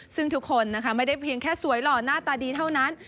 ซึ่งทุกคนนะคะไม่ได้เพียงแค่สวยหล่อหน้าตาดีเท่านั้น